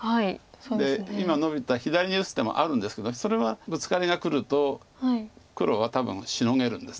今ノビた左に打つ手もあるんですけどそれはブツカリがくると黒は多分シノげるんです。